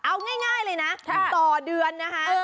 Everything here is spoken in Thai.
เอาง่ายเลยนะต่อเดือนนะคะ